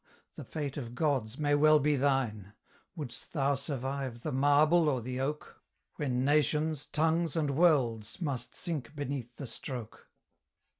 the fate of gods may well be thine: Wouldst thou survive the marble or the oak, When nations, tongues, and worlds must sink beneath the stroke?